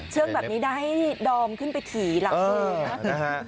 เชื่องแบบนี้ได้ให้ดอมขึ้นไปถี่หลังคู่นะ